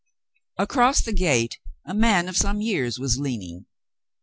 Across the gate a man of some years was leaning.